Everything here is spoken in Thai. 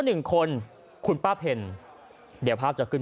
หนึ่งคนคุณป้าเพลิน